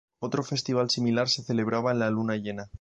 Otro festival similar se celebraba en la luna llena.